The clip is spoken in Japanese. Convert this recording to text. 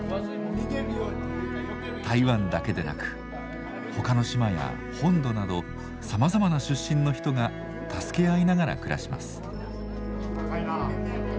台湾だけでなく他の島や本土などさまざまな出身の人が助け合いながら暮らします。